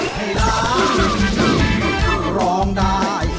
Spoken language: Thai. คือร้องได้